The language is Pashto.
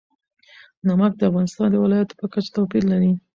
نمک د افغانستان د ولایاتو په کچه توپیر لري.